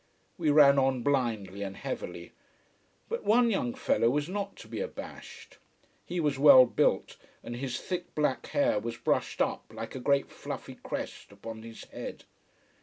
We ran on blindly and heavily. But one young fellow was not to be abashed. He was well built, and his thick black hair was brushed up, like a great fluffy crest upon his head.